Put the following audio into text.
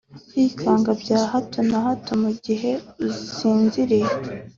Kwikanga bya hato na hato mu gihe usinziriye